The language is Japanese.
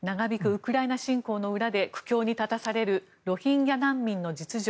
ウクライナ侵攻の裏で苦境に立たされるロヒンギャ難民の実情。